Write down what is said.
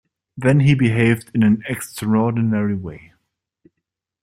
Then he behaved in an extraordinary way.